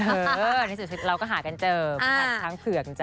เออนี่สุดเราก็หากันเจอทั้งเผื่อกันจ้ะ